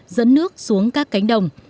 dẫn nước xuống các cánh đồng